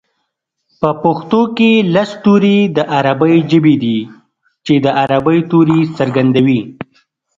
په پښتو کې لس توري د عربۍ ژبې دي چې د عربۍ توري څرګندوي